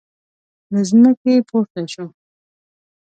له ځمکې پورته شو.